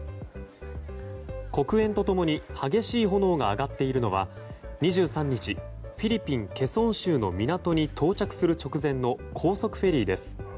黒煙と共に激しい炎が上がっているのは２３日、フィリピン・ケソン州の港に到着する直前の高速フェリーです。